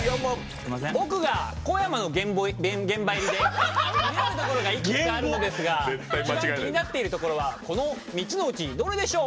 僕が小山の現場入りで気になるところがあるのですが一番気になっているのはこの３つのうち、どれでしょう？